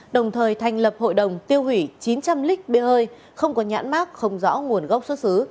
đồng thời thành lập hội đồng tiêu hủy chín trăm linh lít bia hơi không có nhãn mát không rõ nguồn gốc xuất xứ